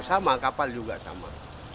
sama kapal juga sama